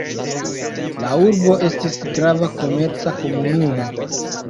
La urbo estis grava komerca komunumo.